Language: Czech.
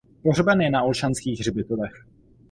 Pohřben je na Olšanských hřbitovech.